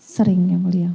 sering yang mulia